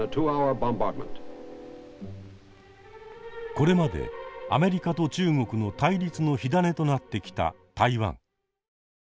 これまでアメリカと中国の対立の火種となってきた台湾。